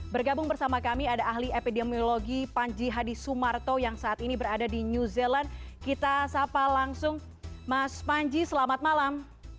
bergabung bersama kami ada ahli epidemiologi panji hadi sumarto yang saat ini berada di new zealand kita sapa langsung mas panji selamat malam